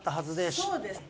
そうです。